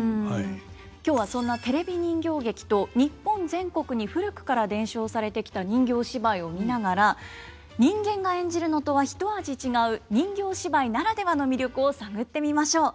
今日はそんなテレビ人形劇と日本全国に古くから伝承されてきた人形芝居を見ながら人間が演じるのとはひと味違う人形芝居ならではの魅力を探ってみましょう。